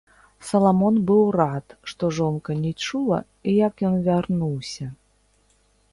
Саламон быў рад, што жонка не чула, як ён вярнуўся.